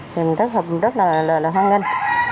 thì mình rất là hoan nghênh